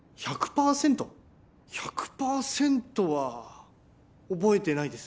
１００パーセントは覚えてないです